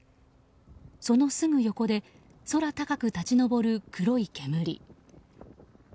そのすぐ横で空高く立ち上る黒い煙。